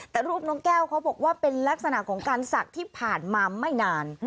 แต่รูปน้องแก้วเขาบอกว่าเป็นลักษณะของการศักดิ์ที่ผ่านมาไม่นาน